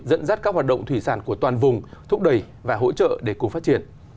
dẫn dắt các hoạt động thủy sản của toàn vùng thúc đẩy và hỗ trợ để cùng phát triển